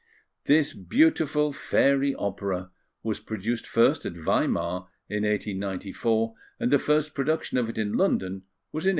This beautiful fairy opera was produced first at Weimar in 1894; and the first production of it in London was in 1895.